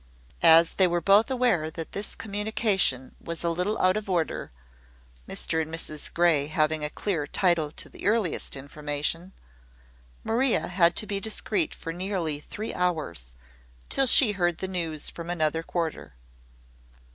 As they were both aware that this communication was a little out of order, Mr and Mrs Grey having a clear title to the earliest information, Maria had to be discreet for nearly three hours till she heard the news from another quarter.